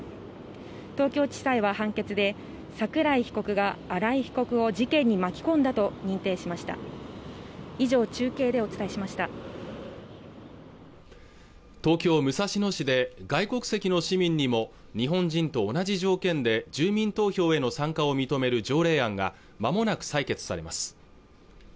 東京地裁は判決で桜井被告が新井被告を事件に巻き込んだと認定しました以上中継でお伝えしました東京武蔵野市で外国籍の市民にも日本人と同じ条件で住民投票への参加を認める条例案がまもなく採決されます